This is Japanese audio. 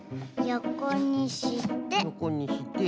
よこにして。